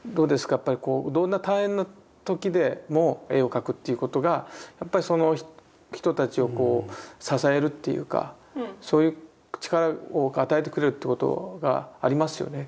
やっぱりこうどんな大変な時でも絵を描くということがやっぱりその人たちをこう支えるというかそういう力を与えてくれるってことがありますよねきっと。